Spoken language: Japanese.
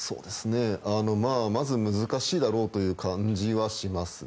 まず難しいだろうという感じはしますね。